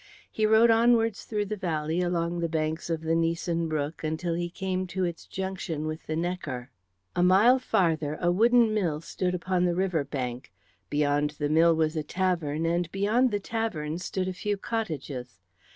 He rode onwards through the valley along the banks of the Nesen brook until he came to its junction with the Neckar. A mile farther a wooden mill stood upon the river bank, beyond the mill was a tavern, and beyond the tavern stood a few cottages.